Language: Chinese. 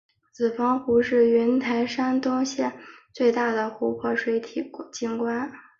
子房湖是云台山东区最大的湖泊水体景观。